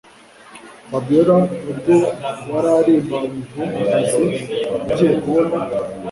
Fabiora ubwo yararimbanyije akazi yagiye kubona